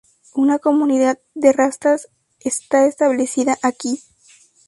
Una comunidad de rastas está establecida aquí.